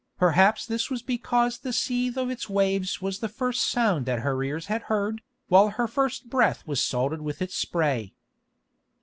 Perhaps this was because the seethe of its waves was the first sound that her ears had heard, while her first breath was salted with its spray.